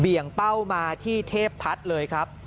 ี่ยงเป้ามาที่เทพพัฒน์เลยครับ